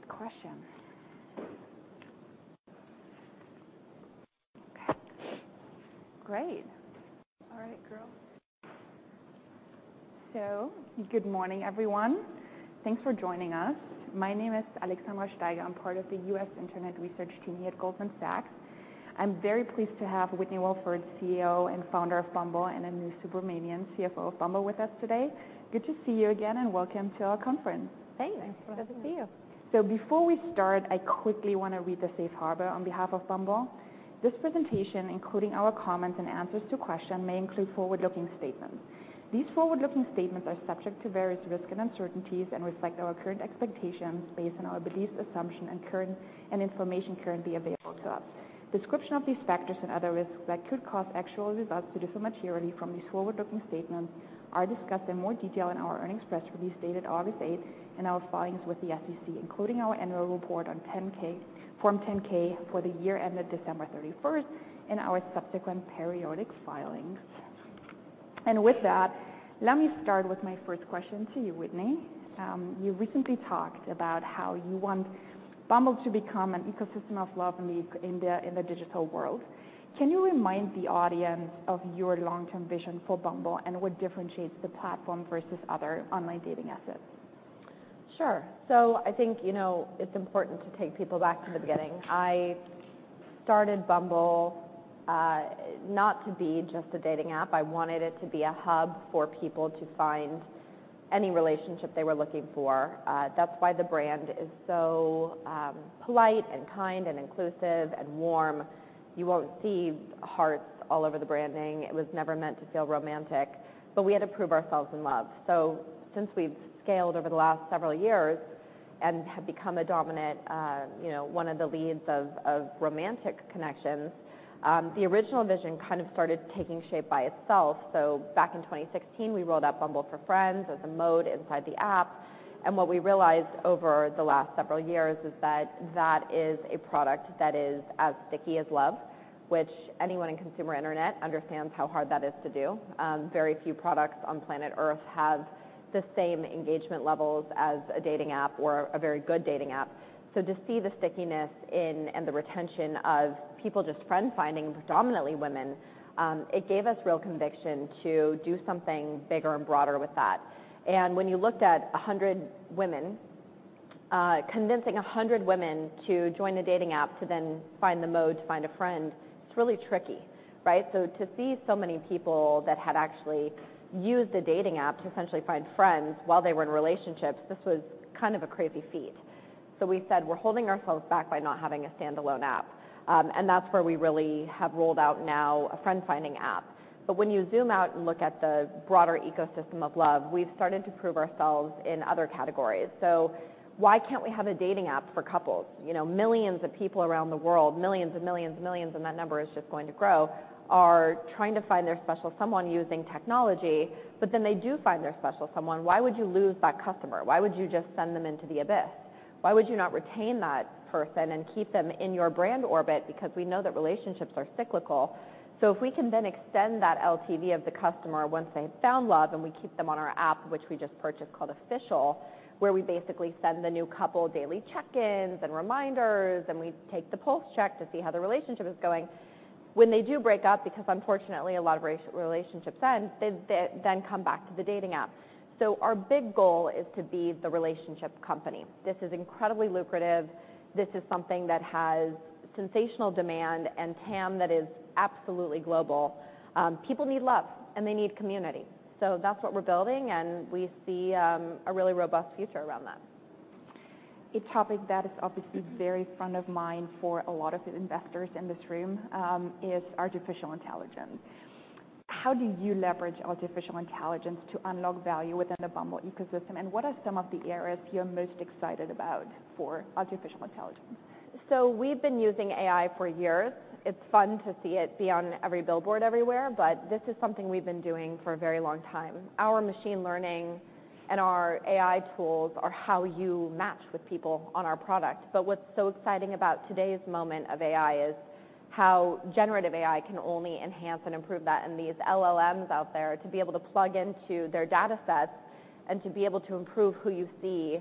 Good question. Okay, great! All right, girl. Good morning, everyone. Thanks for joining us. My name is Alexandra Steiger. I'm part of the U.S. Internet Research team here at Goldman Sachs. I'm very pleased to have Whitney Wolfe Herd, CEO and founder of Bumble, and Anu Subramanian, CFO of Bumble, with us today. Good to see you again, and welcome to our conference. Hey, nice to see you. So before we start, I quickly want to read the safe harbor on behalf of Bumble. This presentation, including our comments and answers to questions, may include forward-looking statements. These forward-looking statements are subject to various risks and uncertainties and reflect our current expectations based on our beliefs, assumptions, and current information currently available to us. Description of these factors and other risks that could cause actual results to differ materially from these forward-looking statements are discussed in more detail in our earnings press release dated August 8 and our filings with the SEC, including our annual report on Form 10-K for the year ended December 31, and our subsequent periodic filings. With that, let me start with my first question to you, Whitney. You recently talked about how you want Bumble to become an ecosystem of love in the digital world. Can you remind the audience of your long-term vision for Bumble and what differentiates the platform versus other online dating assets? Sure. So I think, you know, it's important to take people back to the beginning. I started Bumble, not to be just a dating app. I wanted it to be a hub for people to find any relationship they were looking for. That's why the brand is so, polite and kind and inclusive and warm. You won't see hearts all over the branding. It was never meant to feel romantic, but we had to prove ourselves in love. So since we've scaled over the last several years and have become a dominant, you know, one of the leads of romantic connections, the original vision kind of started taking shape by itself. So back in 2016, we rolled out Bumble for Friends as a mode inside the app. What we realized over the last several years is that that is a product that is as sticky as love, which anyone in consumer internet understands how hard that is to do. Very few products on planet Earth have the same engagement levels as a dating app or a very good dating app. To see the stickiness in and the retention of people, just friend-finding, predominantly women, it gave us real conviction to do something bigger and broader with that. When you looked at 100 women, convincing 100 women to join the dating app to then find the mode to find a friend, it's really tricky, right? To see so many people that had actually used a dating app to essentially find friends while they were in relationships, this was kind of a crazy feat. So we said, "We're holding ourselves back by not having a standalone app." And that's where we really have rolled out now a friend-finding app. But when you zoom out and look at the broader ecosystem of love, we've started to prove ourselves in other categories. So why can't we have a dating app for couples? You know, millions of people around the world, millions and millions and millions, and that number is just going to grow, are trying to find their special someone using technology. But then they do find their special someone. Why would you lose that customer? Why would you just send them into the abyss? Why would you not retain that person and keep them in your brand orbit? Because we know that relationships are cyclical. So if we can then extend that LTV of the customer once they've found love, and we keep them on our app, which we just purchased, called Official, where we basically send the new couple daily check-ins and reminders, and we take the pulse check to see how the relationship is going. When they do break up, because unfortunately, a lot of relationships end, they then come back to the dating app. So our big goal is to be the relationship company. This is incredibly lucrative. This is something that has sensational demand and TAM that is absolutely global. People need love and they need community. So that's what we're building, and we see a really robust future around that. A topic that is obviously very front of mind for a lot of investors in this room, is artificial intelligence. How do you leverage artificial intelligence to unlock value within the Bumble ecosystem, and what are some of the areas you're most excited about for artificial intelligence? So we've been using AI for years. It's fun to see it be on every billboard everywhere, but this is something we've been doing for a very long time. Our machine learning and our AI tools are how you match with people on our product. But what's so exciting about today's moment of AI is how generative AI can only enhance and improve that. And these LLMs out there, to be able to plug into their datasets and to be able to improve who you see,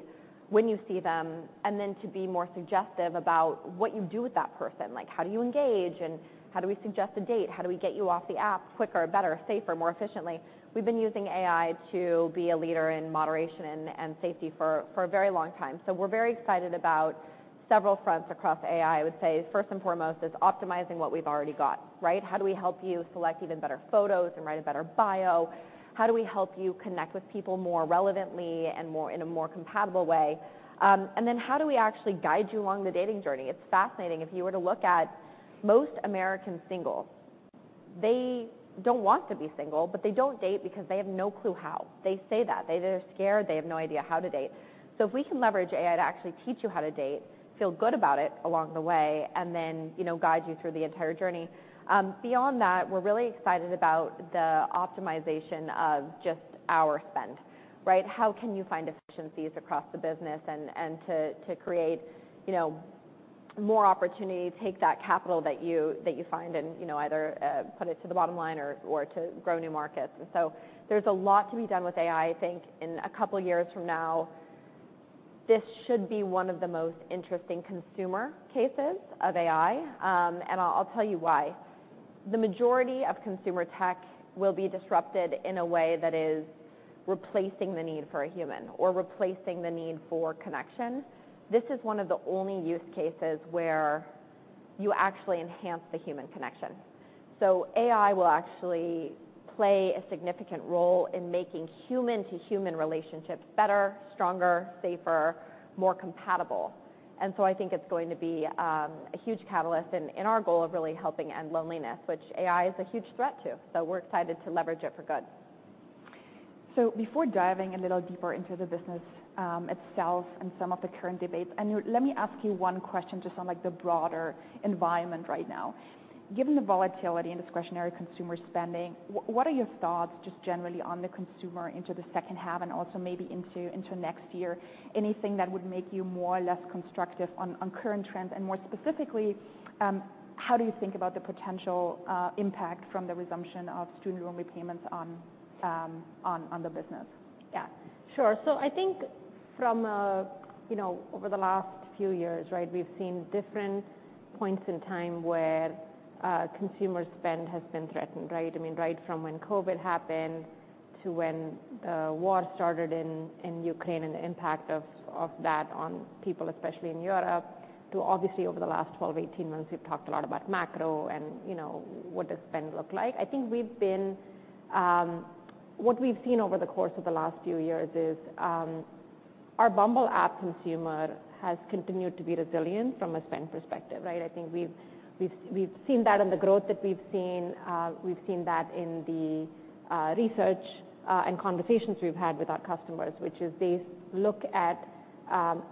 when you see them, and then to be more suggestive about what you do with that person. Like, how do you engage, and how do we suggest a date? How do we get you off the app quicker, better, safer, more efficiently? We've been using AI to be a leader in moderation and safety for a very long time. So we're very excited about several fronts across AI. I would say first and foremost is optimizing what we've already got, right? How do we help you select even better photos and write a better bio? How do we help you connect with people more relevantly and more in a more compatible way? And then how do we actually guide you along the dating journey? It's fascinating. If you were to look at most American singles, they don't want to be single, but they don't date because they have no clue how. They say that. They're scared. They have no idea how to date. So if we can leverage AI to actually teach you how to date, feel good about it along the way, and then, you know, guide you through the entire journey. Beyond that, we're really excited about the optimization of just our spend, right? How can you find efficiencies across the business and to create, you know, more opportunity to take that capital that you find and, you know, either put it to the bottom line or to grow new markets. And so there's a lot to be done with AI. I think in a couple of years from now, this should be one of the most interesting consumer cases of AI, and I'll tell you why. The majority of consumer tech will be disrupted in a way that is replacing the need for a human or replacing the need for connection. This is one of the only use cases where you actually enhance the human connection. So AI will actually play a significant role in making human-to-human relationships better, stronger, safer, more compatible. And so I think it's going to be a huge catalyst and in our goal of really helping end loneliness, which AI is a huge threat to, so we're excited to leverage it for good. So before diving a little deeper into the business itself and some of the current debates, Anu, let me ask you one question, just on, like, the broader environment right now. Given the volatility in discretionary consumer spending, what are your thoughts just generally on the consumer into the second half and also maybe into next year? Anything that would make you more or less constructive on current trends, and more specifically, how do you think about the potential impact from the resumption of student loan repayments on the business? Yeah, sure. So I think from a... You know, over the last few years, right, we've seen different points in time where consumer spend has been threatened, right? I mean, right from when COVID happened to when the war started in Ukraine, and the impact of that on people, especially in Europe, to obviously over the last 12-18 months, we've talked a lot about macro and, you know, what does spend look like? What we've seen over the course of the last few years is our Bumble app consumer has continued to be resilient from a spend perspective, right? I think we've seen that in the growth that we've seen. We've seen that in the research and conversations we've had with our customers, which is they look at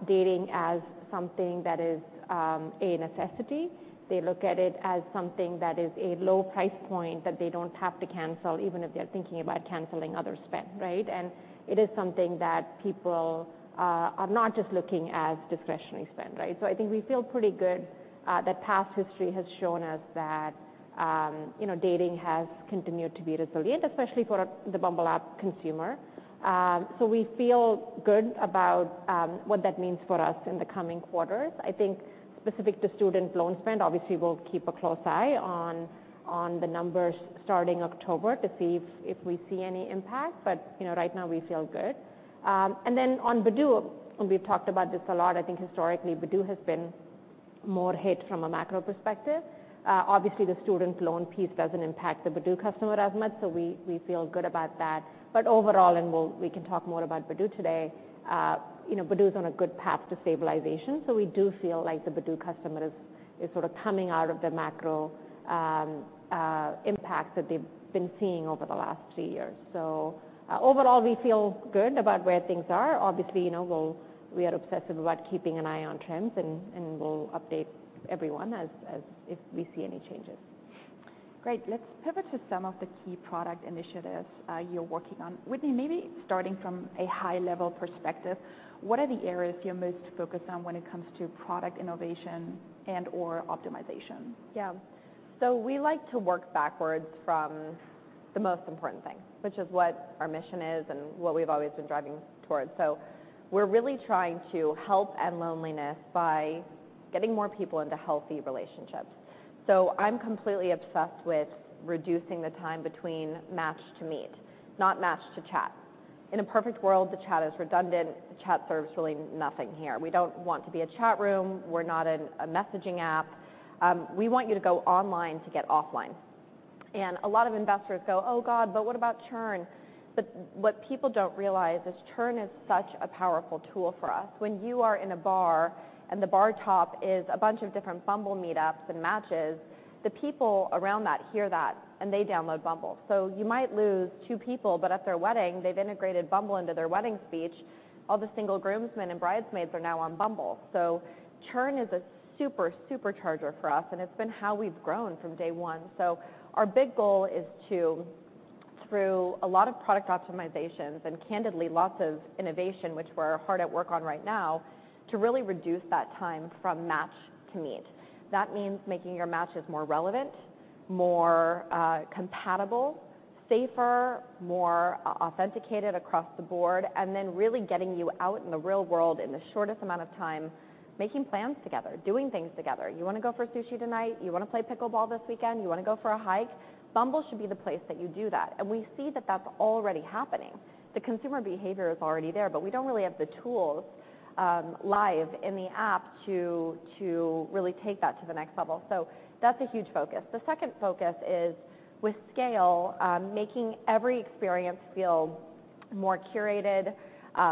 dating as something that is a necessity. They look at it as something that is a low price point, that they don't have to cancel, even if they're thinking about canceling other spend, right? And it is something that people are not just looking as discretionary spend, right? So I think we feel pretty good that past history has shown us that, you know, dating has continued to be resilient, especially for the Bumble app consumer. So we feel good about what that means for us in the coming quarters. I think specific to student loan spend, obviously, we'll keep a close eye on the numbers starting October to see if we see any impact, but you know, right now we feel good. And then on Badoo, and we've talked about this a lot, I think historically, Badoo has been more hit from a macro perspective. Obviously, the student loan piece doesn't impact the Badoo customer as much, so we feel good about that. But overall, we can talk more about Badoo today, you know, Badoo is on a good path to stabilization, so we do feel like the Badoo customer is sort of coming out of the macro impact that they've been seeing over the last three years. So, overall, we feel good about where things are. Obviously, you know, we are obsessive about keeping an eye on trends, and we'll update everyone as if we see any changes. Great. Let's pivot to some of the key product initiatives you're working on. Whitney, maybe starting from a high-level perspective, what are the areas you're most focused on when it comes to product innovation and/or optimization? Yeah. So we like to work backwards from the most important thing, which is what our mission is and what we've always been driving towards. So we're really trying to help end loneliness by getting more people into healthy relationships. So I'm completely obsessed with reducing the time between match to meet, not match to chat. In a perfect world, the chat is redundant. The chat serves really nothing here. We don't want to be a chat room. We're not a messaging app. We want you to go online to get offline. And a lot of investors go: "Oh, God, but what about churn?" But what people don't realize is churn is such a powerful tool for us. When you are in a bar, and the bar top is a bunch of different Bumble meetups and matches, the people around that hear that, and they download Bumble. So you might lose two people, but at their wedding, they've integrated Bumble into their wedding speech. All the single groomsmen and bridesmaids are now on Bumble. So churn is a super, supercharger for us, and it's been how we've grown from day one. So our big goal is to, through a lot of product optimizations and candidly, lots of innovation, which we're hard at work on right now, to really reduce that time from match to meet. That means making your matches more relevant, more compatible, safer, more authenticated across the board, and then really getting you out in the real world in the shortest amount of time, making plans together, doing things together. "You want to go for sushi tonight? You want to play pickleball this weekend? You want to go for a hike?" Bumble should be the place that you do that, and we see that that's already happening. The consumer behavior is already there, but we don't really have the tools live in the app to really take that to the next level. So that's a huge focus. The second focus is with scale, making every experience feel more curated,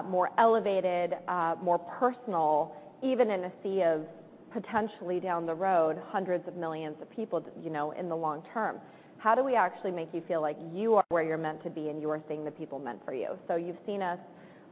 more elevated, more personal, even in a sea of potentially down the road, hundreds of millions of people, you know, in the long term. How do we actually make you feel like you are where you're meant to be, and you are seeing the people meant for you? So you've seen us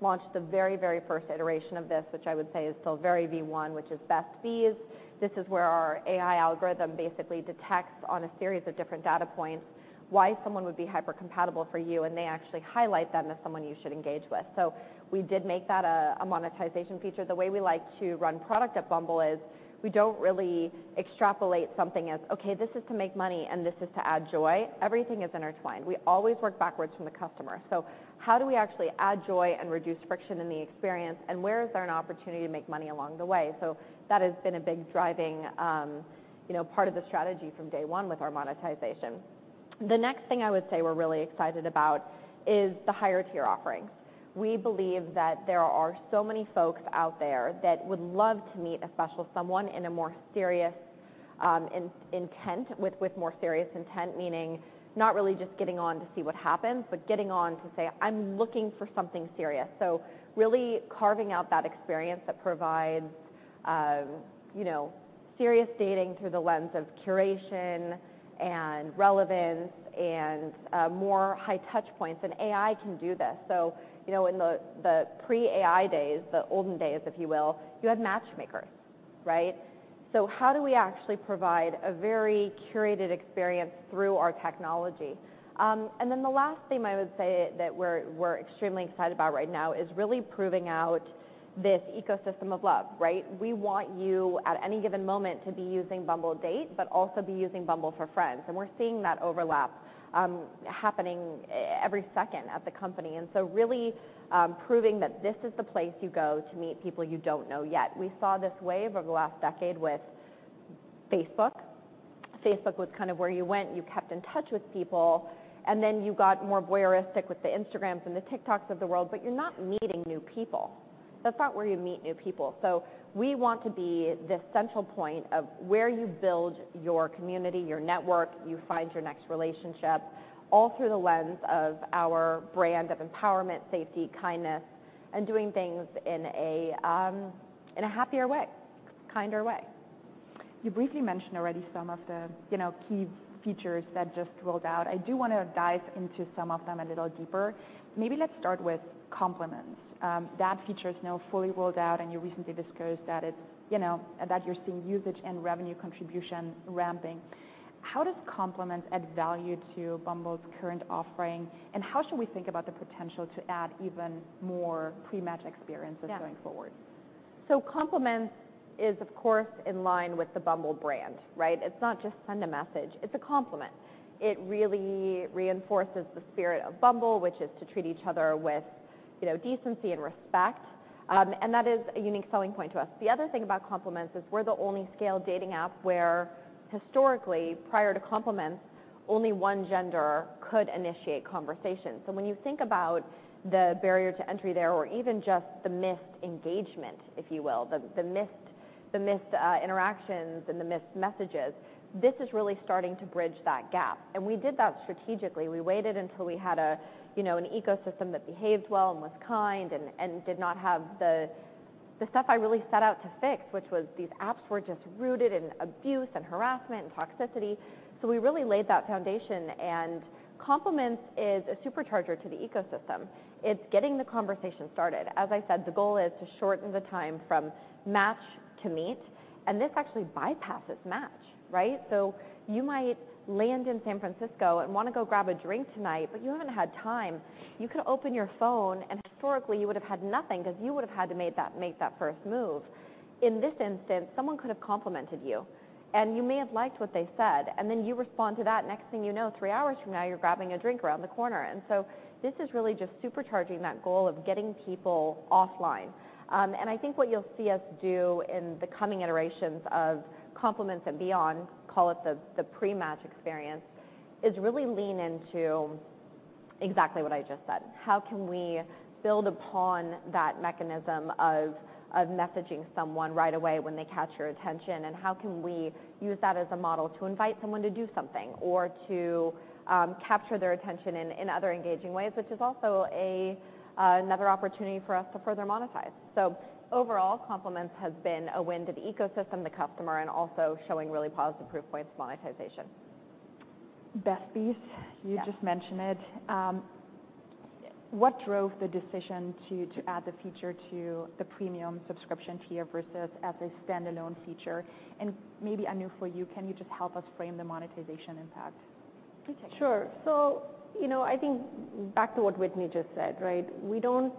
launch the very, very first iteration of this, which I would say is still very V1, which is Best Bees. This is where our AI algorithm basically detects on a series of different data points, why someone would be hyper-compatible for you, and they actually highlight them as someone you should engage with. So we did make that a monetization feature. The way we like to run product at Bumble is we don't really extrapolate something as: Okay, this is to make money, and this is to add joy. Everything is intertwined. We always work backwards from the customer. So how do we actually add joy and reduce friction in the experience, and where is there an opportunity to make money along the way? So that has been a big driving, you know, part of the strategy from day one with our monetization.... The next thing I would say we're really excited about is the higher-tier offerings. We believe that there are so many folks out there that would love to meet a special someone in a more serious, with more serious intent, meaning not really just getting on to see what happens, but getting on to say, "I'm looking for something serious." So really carving out that experience that provides, you know, serious dating through the lens of curation and relevance and, more high touch points, and AI can do this. So, you know, in the pre-AI days, the olden days, if you will, you had matchmakers, right? So how do we actually provide a very curated experience through our technology? And then the last thing I would say that we're extremely excited about right now is really proving out this ecosystem of love, right? We want you, at any given moment, to be using Bumble Date, but also be using Bumble for Friends. And we're seeing that overlap, happening every second at the company. And so really, proving that this is the place you go to meet people you don't know yet. We saw this wave over the last decade with Facebook. Facebook was kind of where you went, you kept in touch with people, and then you got more voyeuristic with the Instagrams and the TikToks of the world, but you're not meeting new people. That's not where you meet new people. So we want to be the central point of where you build your community, your network, you find your next relationship, all through the lens of our brand of empowerment, safety, kindness, and doing things in a happier way, kinder way. You briefly mentioned already some of the, you know, key features that just rolled out. I do wanna dive into some of them a little deeper. Maybe let's start with Compliments. That feature is now fully rolled out, and you recently disclosed that it, you know, that you're seeing usage and revenue contribution ramping. How does Compliments add value to Bumble's current offering, and how should we think about the potential to add even more pre-match experiences? Yeah -going forward? So Compliments is, of course, in line with the Bumble brand, right? It's not just send a message, it's a compliment. It really reinforces the spirit of Bumble, which is to treat each other with, you know, decency and respect. And that is a unique selling point to us. The other thing about Compliments is we're the only scale dating app where historically, prior to Compliments, only one gender could initiate conversations. So when you think about the barrier to entry there, or even just the missed engagement, if you will, the missed interactions and the missed messages, this is really starting to bridge that gap. And we did that strategically. We waited until we had a, you know, an ecosystem that behaved well and was kind and, and did not have the, the stuff I really set out to fix, which was these apps were just rooted in abuse and harassment and toxicity. So we really laid that foundation, and Compliments is a supercharger to the ecosystem. It's getting the conversation started. As I said, the goal is to shorten the time from match to meet, and this actually bypasses match, right? So you might land in San Francisco and wanna go grab a drink tonight, but you haven't had time. You could open your phone, and historically, you would have had nothing because you would have had to make that first move. In this instance, someone could have complimented you, and you may have liked what they said, and then you respond to that. Next thing you know, three hours from now, you're grabbing a drink around the corner. And so this is really just supercharging that goal of getting people offline. And I think what you'll see us do in the coming iterations of Compliments and beyond, call it the pre-match experience, is really lean into exactly what I just said. How can we build upon that mechanism of messaging someone right away when they catch your attention? And how can we use that as a model to invite someone to do something, or to capture their attention in other engaging ways, which is also another opportunity for us to further monetize. So overall, Compliments has been a win to the ecosystem, the customer, and also showing really positive proof points of monetization. Best piece- Yeah. You just mentioned it. What drove the decision to add the feature to the premium subscription tier versus as a standalone feature? And maybe, Anu, for you, can you just help us frame the monetization impact? Sure. So, you know, I think back to what Whitney just said, right? We don't.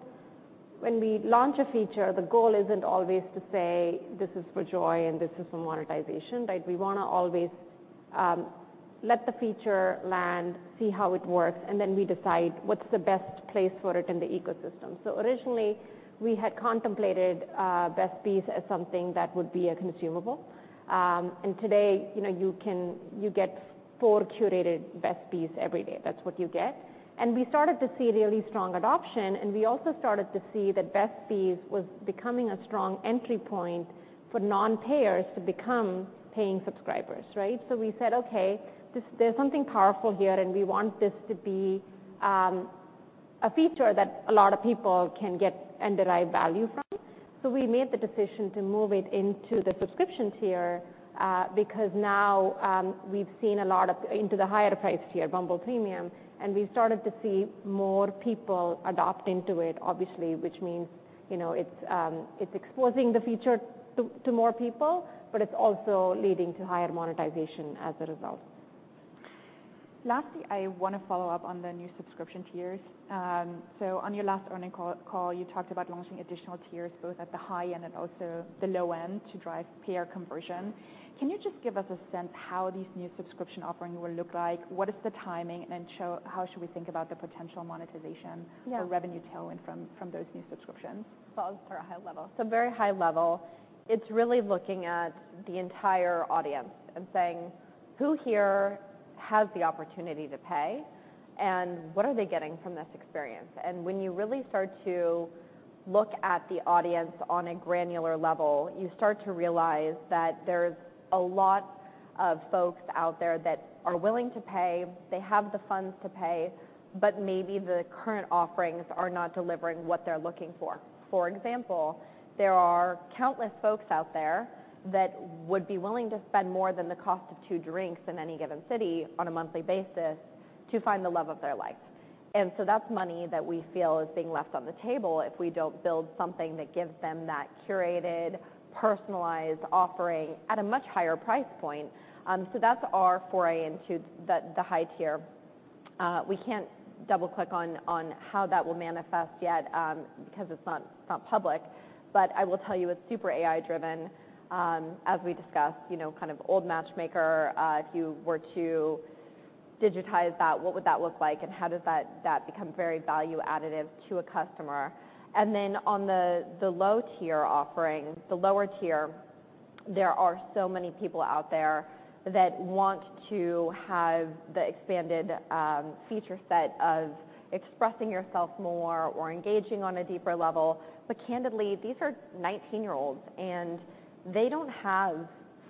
When we launch a feature, the goal isn't always to say, "This is for joy and this is for monetization," right? We wanna always let the feature land, see how it works, and then we decide what's the best place for it in the ecosystem. So originally, we had contemplated Best Bees as something that would be a consumable. And today, you know, you can. You get four curated Best Bees every day. That's what you get. And we started to see really strong adoption, and we also started to see that Best Bees was becoming a strong entry point for non-payers to become paying subscribers, right? So we said: Okay, this—there's something powerful here, and we want this to be a feature that a lot of people can get and derive value from. So we made the decision to move it into the subscription tier, because now we've seen a lot of into the higher-priced tier, Bumble Premium, and we started to see more people adopting to it, obviously, which means, you know, it's exposing the feature to more people, but it's also leading to higher monetization as a result. Lastly, I wanna follow up on the new subscription tiers. So on your last earnings call, you talked about launching additional tiers, both at the high end and also the low end, to drive payer conversion. Can you just give us a sense how these new subscription offerings will look like? What is the timing, and how should we think about the potential monetization? Yeah... for revenue tailwind from those new subscriptions? Well, for a high level. So very high level, it's really looking at the entire audience and saying: Who here has the opportunity to pay, and what are they getting from this experience? And when you really start to look at the audience on a granular level, you start to realize that there's a lot of folks out there that are willing to pay, they have the funds to pay, but maybe the current offerings are not delivering what they're looking for. For example, there are countless folks out there that would be willing to spend more than the cost of two drinks in any given city on a monthly basis to find the love of their life. And so that's money that we feel is being left on the table if we don't build something that gives them that curated, personalized offering at a much higher price point. So that's our foray into the high tier. We can't double-click on how that will manifest yet, because it's not public. But I will tell you, it's super AI-driven. As we discussed, you know, kind of old matchmaker, if you were to digitize that, what would that look like, and how does that become very value additive to a customer? And then on the low-tier offering, the lower tier, there are so many people out there that want to have the expanded feature set of expressing yourself more or engaging on a deeper level. But candidly, these are 19-year-olds, and they don't have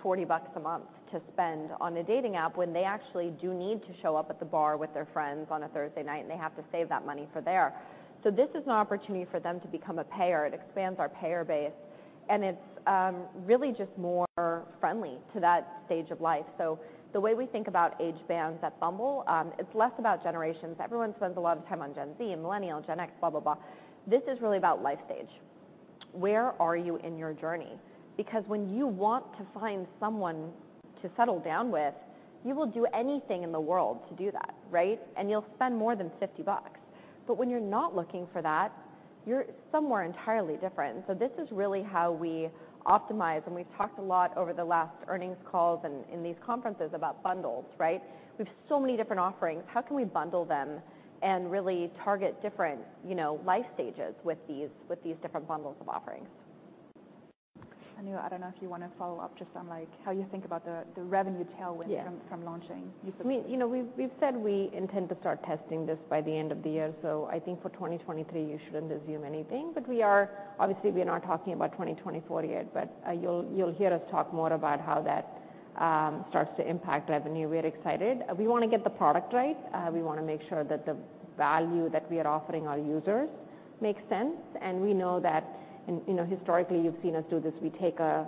$40 a month to spend on a dating app when they actually do need to show up at the bar with their friends on a Thursday night, and they have to save that money for there. So this is an opportunity for them to become a payer. It expands our payer base, and it's really just more friendly to that stage of life. So the way we think about age bands at Bumble, it's less about generations. Everyone spends a lot of time on Gen Z and Millennial, Gen X, blah, blah, blah. This is really about life stage. Where are you in your journey? Because when you want to find someone to settle down with, you will do anything in the world to do that, right? And you'll spend more than $50. But when you're not looking for that, you're somewhere entirely different. So this is really how we optimize, and we've talked a lot over the last earnings calls and in these conferences about bundles, right? We've so many different offerings. How can we bundle them and really target different, you know, life stages with these, with these different bundles of offerings? Anu, I don't know if you wanna follow up just on, like, how you think about the revenue tailwind- Yeah. from launching. We, you know, we've said we intend to start testing this by the end of the year, so I think for 2023, you shouldn't assume anything. But we are... Obviously, we are not talking about 2024 yet, but you'll hear us talk more about how that starts to impact revenue. We're excited. We wanna get the product right. We wanna make sure that the value that we are offering our users makes sense, and we know that, and, you know, historically, you've seen us do this. We take a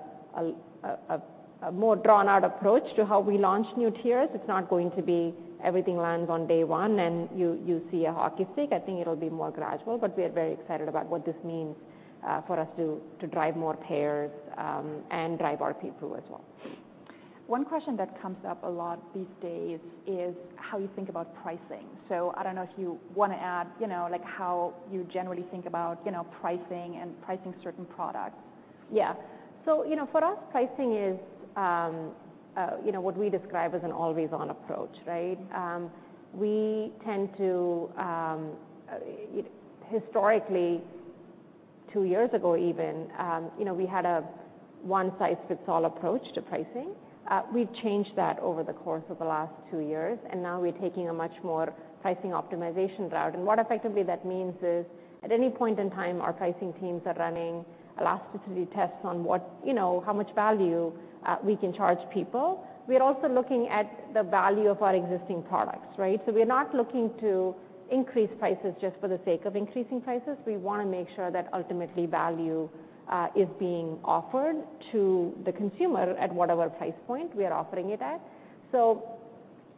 more drawn-out approach to how we launch new tiers. It's not going to be everything lands on day one and you see a hockey stick. I think it'll be more gradual, but we are very excited about what this means for us to drive more payers and drive our people as well. One question that comes up a lot these days is how you think about pricing. So I don't know if you wanna add, you know, like, how you generally think about, you know, pricing and pricing certain products. Yeah. So, you know, for us, pricing is, you know, what we describe as an always-on approach, right? We tend to, historically, two years ago even, you know, we had a one-size-fits-all approach to pricing. We've changed that over the course of the last two years, and now we're taking a much more pricing optimization route. And what effectively that means is, at any point in time, our pricing teams are running elasticity tests on what, you know, how much value, we can charge people. We are also looking at the value of our existing products, right? So we're not looking to increase prices just for the sake of increasing prices. We wanna make sure that ultimately value, is being offered to the consumer at whatever price point we are offering it at. So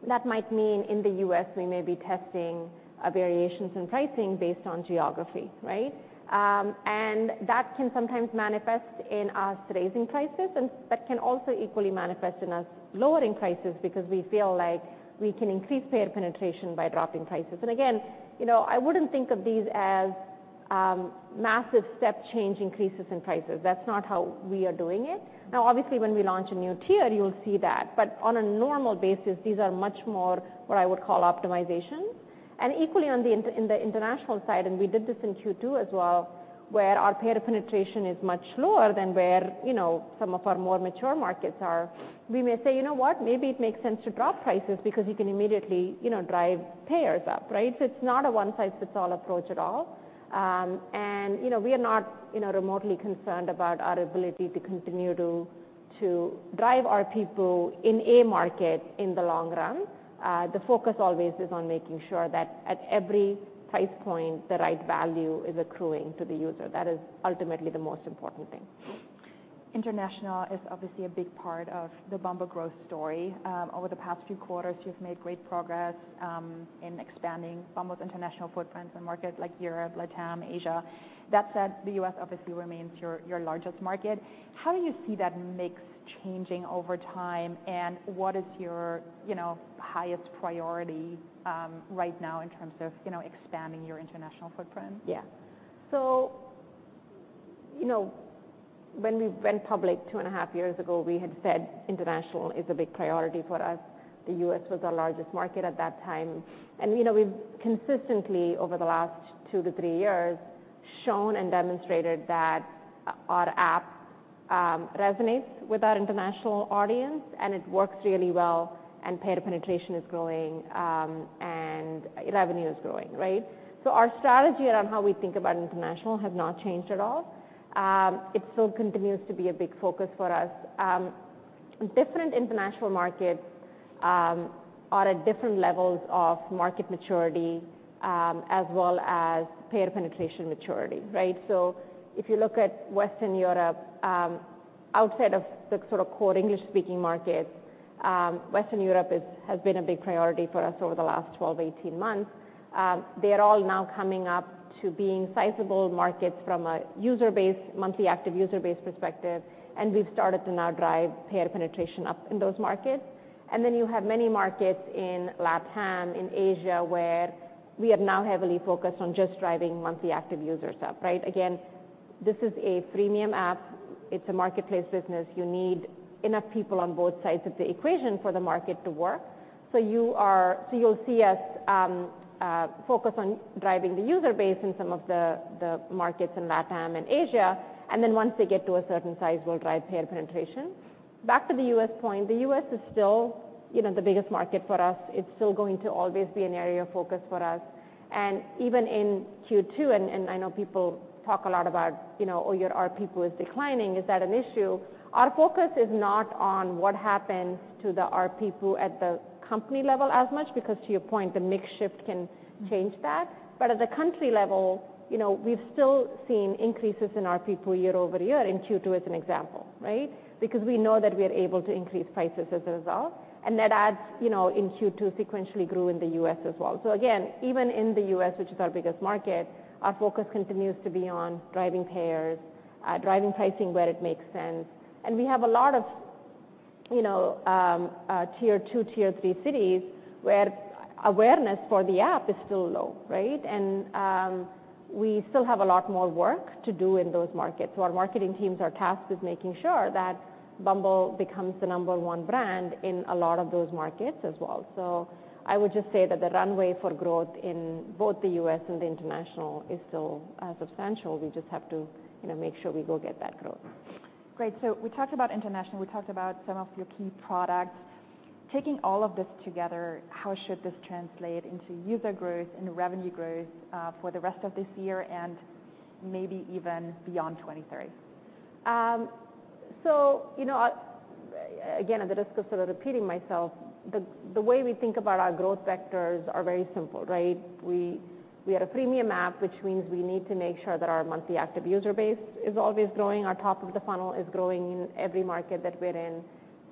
that might mean in the U.S., we may be testing variations in pricing based on geography, right? And that can sometimes manifest in us raising prices, and but can also equally manifest in us lowering prices because we feel like we can increase payer penetration by dropping prices. And again, you know, I wouldn't think of these as massive step change increases in prices. That's not how we are doing it. Now, obviously, when we launch a new tier, you'll see that, but on a normal basis, these are much more what I would call optimization. And equally on the international side, and we did this in Q2 as well, where our payer penetration is much lower than where, you know, some of our more mature markets are. We may say, "You know what? Maybe it makes sense to drop prices because you can immediately, you know, drive payers up," right? So it's not a one-size-fits-all approach at all. You know, we are not, you know, remotely concerned about our ability to continue to drive our people in a market in the long run. The focus always is on making sure that at every price point, the right value is accruing to the user. That is ultimately the most important thing. International is obviously a big part of the Bumble growth story. Over the past few quarters, you've made great progress in expanding Bumble's international footprint in markets like Europe, LatAm, Asia. That said, the U.S. obviously remains your, your largest market. How do you see that mix changing over time, and what is your, you know, highest priority right now in terms of, you know, expanding your international footprint? Yeah. So, you know, when we went public 2.5 years ago, we had said international is a big priority for us. The U.S. was our largest market at that time, and, you know, we've consistently, over the last 2-3 years, shown and demonstrated that our app resonates with our international audience, and it works really well, and payer penetration is growing, and revenue is growing, right? So our strategy around how we think about international has not changed at all. It still continues to be a big focus for us. Different international markets are at different levels of market maturity, as well as payer penetration maturity, right? So if you look at Western Europe, outside of the sort of core English-speaking markets, Western Europe has been a big priority for us over the last 12-18 months. They are all now coming up to being sizable markets from a user base, monthly active user base perspective, and we've started to now drive payer penetration up in those markets. And then you have many markets in LatAm, in Asia, where we are now heavily focused on just driving monthly active users up, right? Again, this is a freemium app. It's a marketplace business. You need enough people on both sides of the equation for the market to work. So you'll see us focus on driving the user base in some of the markets in LatAm and Asia, and then once they get to a certain size, we'll drive payer penetration. Back to the U.S. point, the U.S. is still, you know, the biggest market for us. It's still going to always be an area of focus for us. And even in Q2, I know people talk a lot about, you know, oh, your RPPU is declining, is that an issue? Our focus is not on what happens to the RPPU at the company level as much, because to your point, the mix shift can change that. But at the country level, you know, we've still seen increases in RPPU year-over-year in Q2, as an example, right? Because we know that we are able to increase prices as a result, and that ads, you know, in Q2 sequentially grew in the U.S. as well. So again, even in the U.S., which is our biggest market, our focus continues to be on driving payers, driving pricing where it makes sense. And we have a lot of, you know, tier two, tier three cities, where awareness for the app is still low, right? And we still have a lot more work to do in those markets. So our marketing teams are tasked with making sure that Bumble becomes the number one brand in a lot of those markets as well. So I would just say that the runway for growth in both the U.S. and the international is still substantial. We just have to, you know, make sure we go get that growth. Great. So we talked about international, we talked about some of your key products. Taking all of this together, how should this translate into user growth and revenue growth for the rest of this year and maybe even beyond 2023? So, you know, again, at the risk of sort of repeating myself, the way we think about our growth vectors are very simple, right? We are a premium app, which means we need to make sure that our monthly active user base is always growing, our top of the funnel is growing in every market that we're in.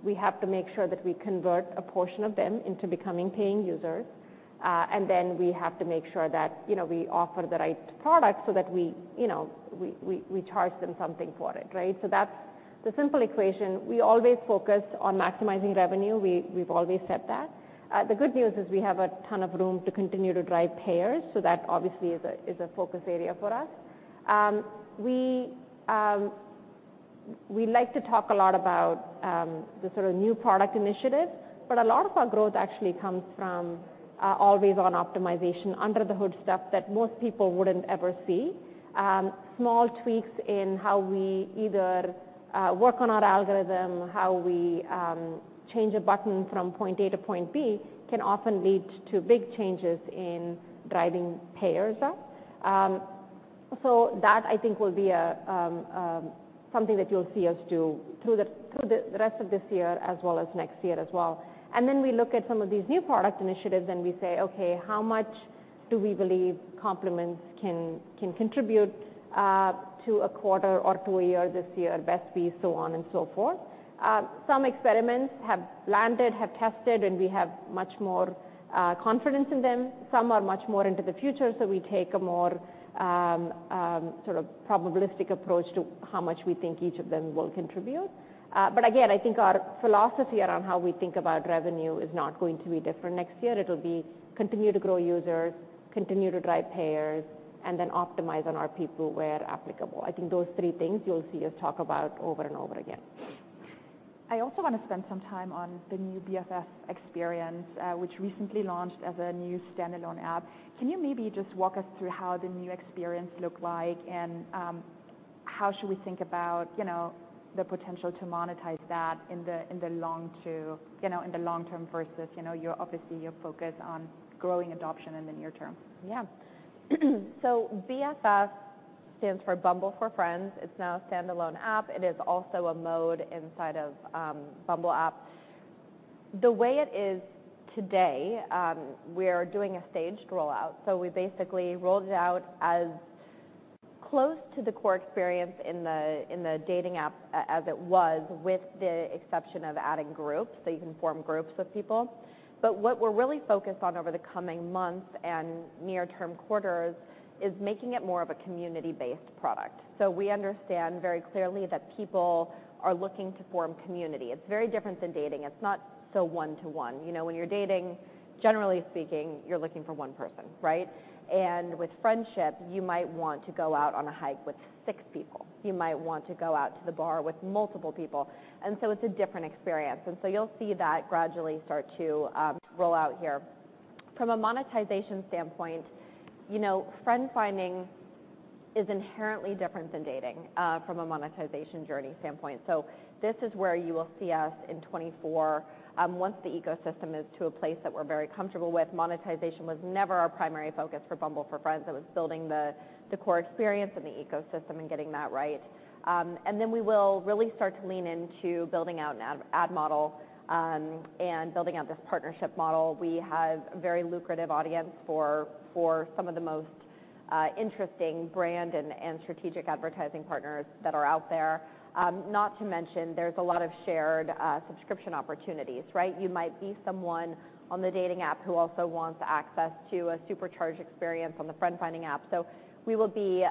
We have to make sure that we convert a portion of them into becoming paying users, and then we have to make sure that, you know, we charge them something for it, right? So that's the simple equation. We always focus on maximizing revenue. We've always said that. The good news is we have a ton of room to continue to drive payers, so that obviously is a focus area for us. We like to talk a lot about the sort of new product initiatives, but a lot of our growth actually comes from always on optimization, under-the-hood stuff that most people wouldn't ever see. Small tweaks in how we either work on our algorithm, how we change a button from point A to point B, can often lead to big changes in driving payers up. So that, I think, will be something that you'll see us do through the rest of this year, as well as next year as well. And then we look at some of these new product initiatives, and we say: Okay, how much do we believe Compliments can contribute to a quarter or to a year this year, Best Bees, so on and so forth? Some experiments have landed, have tested, and we have much more confidence in them. Some are much more into the future, so we take a more sort of probabilistic approach to how much we think each of them will contribute. But again, I think our philosophy around how we think about revenue is not going to be different next year. It'll be continue to grow users, continue to drive payers, and then optimize on our people where applicable. I think those three things you'll see us talk about over and over again. I also want to spend some time on the new BFF experience, which recently launched as a new standalone app. Can you maybe just walk us through how the new experience look like, and how should we think about, you know, the potential to monetize that in the long term versus, you know, your obviously, your focus on growing adoption in the near term? Yeah. So BFF stands for Bumble for Friends. It's now a standalone app. It is also a mode inside of Bumble app. The way it is today, we are doing a staged rollout. So we basically rolled it out as close to the core experience in the dating app as it was, with the exception of adding groups, so you can form groups of people. But what we're really focused on over the coming months and near-term quarters is making it more of a community-based product. So we understand very clearly that people are looking to form community. It's very different than dating. It's not so one-to-one. You know, when you're dating, generally speaking, you're looking for one person, right? And with friendship, you might want to go out on a hike with six people. You might want to go out to the bar with multiple people, and so it's a different experience. And so you'll see that gradually start to roll out here. ...From a monetization standpoint, you know, friend-finding is inherently different than dating from a monetization journey standpoint. So this is where you will see us in 2024, once the ecosystem is to a place that we're very comfortable with. Monetization was never our primary focus for Bumble for Friends. It was building the core experience and the ecosystem and getting that right. And then we will really start to lean into building out an ad model and building out this partnership model. We have a very lucrative audience for some of the most interesting brand and strategic advertising partners that are out there. Not to mention, there's a lot of shared subscription opportunities, right? You might be someone on the dating app who also wants access to a supercharged experience on the friend-finding app. So we will be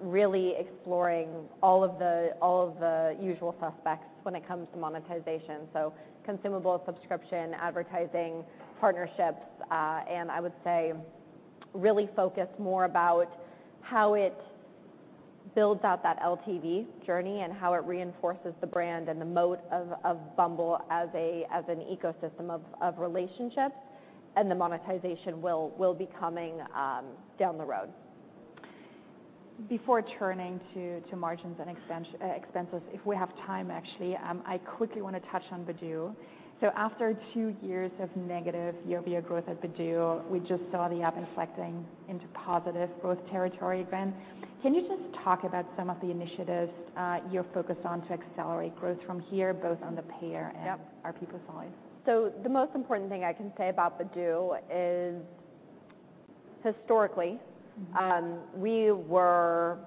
really exploring all of the usual suspects when it comes to monetization. So consumable subscription, advertising, partnerships, and I would say really focused more about how it builds out that LTV journey and how it reinforces the brand and the mode of Bumble as an ecosystem of relationships, and the monetization will be coming down the road. Before turning to margins and expenses, if we have time, actually, I quickly wanna touch on Badoo. So after two years of negative year-over-year growth at Badoo, we just saw the app inflecting into positive growth territory again. Can you just talk about some of the initiatives you're focused on to accelerate growth from here, both on the payer- Yep and our people side? The most important thing I can say about Badoo is, historically- Mm-hmm ...we were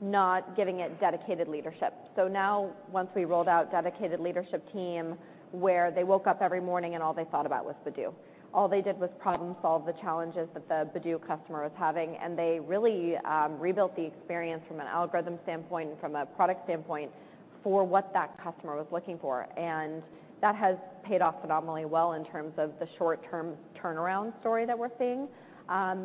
not giving it dedicated leadership. So now, once we rolled out dedicated leadership team, where they woke up every morning and all they thought about was Badoo. All they did was problem-solve the challenges that the Badoo customer was having, and they really rebuilt the experience from an algorithm standpoint and from a product standpoint for what that customer was looking for. And that has paid off phenomenally well in terms of the short-term turnaround story that we're seeing.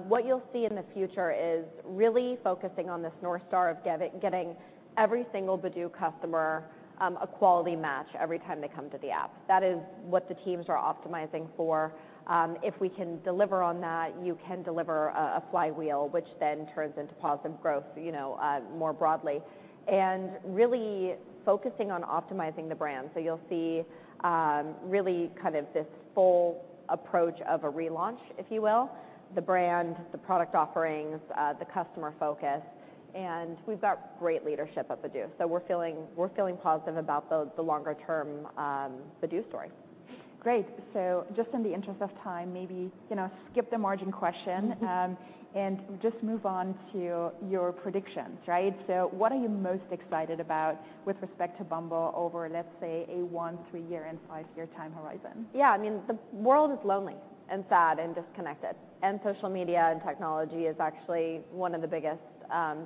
What you'll see in the future is really focusing on this North Star of getting every single Badoo customer a quality match every time they come to the app. That is what the teams are optimizing for. If we can deliver on that, you can deliver a flywheel, which then turns into positive growth, you know, more broadly. Really focusing on optimizing the brand. So you'll see really kind of this full approach of a relaunch, if you will: the brand, the product offerings, the customer focus. And we've got great leadership at Badoo, so we're feeling positive about the longer term Badoo story. Great. So just in the interest of time, maybe, you know, skip the margin question, and just move on to your predictions, right? So what are you most excited about with respect to Bumble over, let's say, a one-, three-, and five-year time horizon? Yeah. I mean, the world is lonely and sad and disconnected, and social media and technology is actually one of the biggest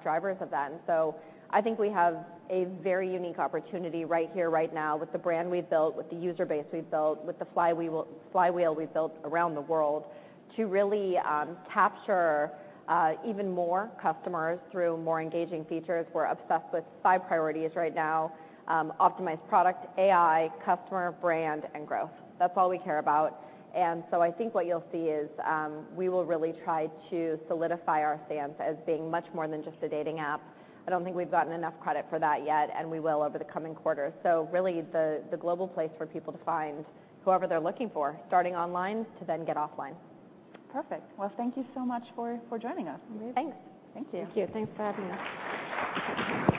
drivers of that. And so I think we have a very unique opportunity right here, right now, with the brand we've built, with the user base we've built, with the flywheel, flywheel we've built around the world, to really capture even more customers through more engaging features. We're obsessed with five priorities right now: optimized product, AI, customer, brand, and growth. That's all we care about. And so I think what you'll see is we will really try to solidify our stance as being much more than just a dating app. I don't think we've gotten enough credit for that yet, and we will over the coming quarters. So really, the global place for people to find whoever they're looking for, starting online, to then get offline. Perfect. Well, thank you so much for joining us. Thanks. Thank you. Thank you. Thanks for having me.